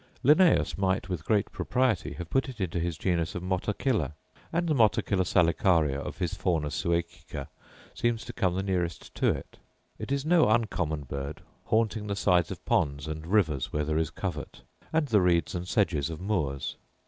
Linnaeus might with great propriety have put it into his genus of motacilla; and the motacilla salicaria of his Fauna Suecica seems to come the nearest to it. It is no uncommon bird, haunting the sides of ponds and rivers where there is covert, and the reeds and sedges of moors.